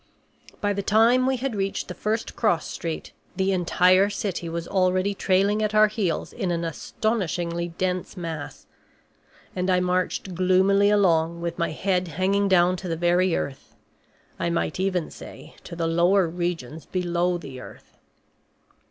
By the time we had reached the first cross street the entire city was already trailing at our heels in an astonishingly dense mass. And I marched gloomily along with my head hanging down to the very earth I might even say to the lower regions below the earth.